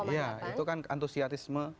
dua puluh satu ya itu kan antusiasme